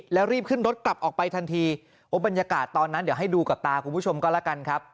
แล้วรีบขึ้นรถกลับออกไปทันทีโอ้บรรยากาศตอนนั้นเดี๋ยวให้ดูกับตาคุณผู้ชมก็แล้วกันครับ